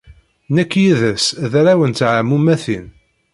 Nekk yid-s d arraw n teɛmumatin.